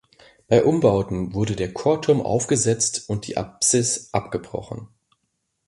Bei Umbauten wurde der Chorturm aufgesetzt und die Apsis abgebrochen.